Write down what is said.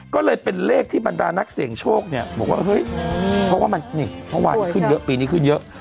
ก็เลยเป็นเลขที่บรรดานักเสี่ยงโชคเนี่ยบอกว่าเฮ้ยเพราะว่ามันนี่เมื่อวานขึ้นเยอะปีนี้ขึ้นเยอะ